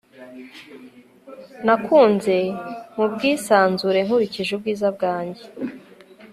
Nakunze mubwisanzure nkurikije ubwiza bwanjye